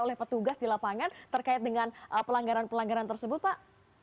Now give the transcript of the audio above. oleh petugas di lapangan terkait dengan pelanggaran pelanggaran tersebut pak